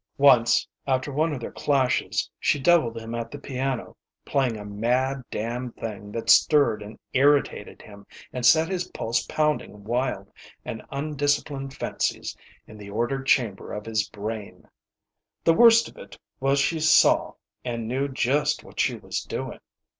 Once, after one of their clashes, she devilled him at the piano, playing a mad damned thing that stirred and irritated him and set his pulse pounding wild and undisciplined fancies in the ordered chamber of his brain. The worst of it was she saw and knew just what she was doing.